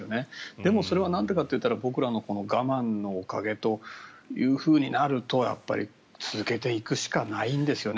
でも、それはなんでかといったら僕らの我慢のおかげというふうになると続けていくしかないんですよね。